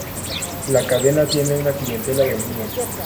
La cadena tiene una clientela de niños.